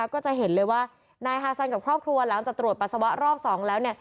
ก็จะเห็นเลยว่านายฮาซันกับครอบครัวหลังจากตรวจปัสสาวะรอบ๒แล้ว